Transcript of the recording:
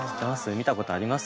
見たことあります？